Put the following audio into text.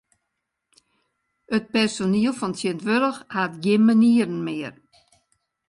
It personiel fan tsjintwurdich hat gjin manieren mear.